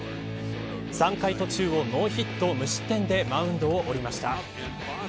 ３回途中をノーヒット無失点でマウンドを降りました。